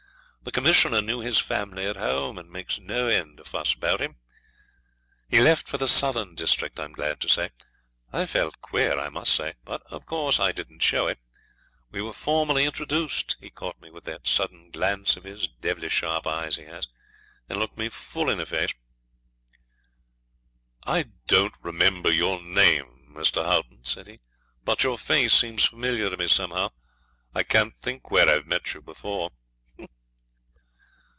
The Commissioner knew his family at home, and makes no end of fuss about him. He left for the Southern district, I am glad to say. I felt queer, I must say; but, of course, I didn't show it. We were formally introduced. He caught me with that sudden glance of his devilish sharp eyes, he has and looks me full in the face. '"I don't remember your name, Mr. Haughton," said he; "but your face seems familiar to me somehow. I can't think where I've met you before."